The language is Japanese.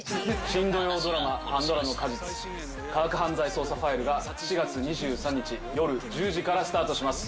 新土曜ドラマ『パンドラの果実科学犯罪捜査ファイル』が４月２３日夜１０時からスタートします。